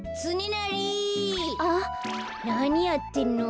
なにやってんの？